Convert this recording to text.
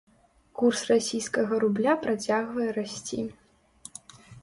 Курс расійскага рубля працягвае расці.